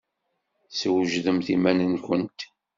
Swejdemt iman-nwent!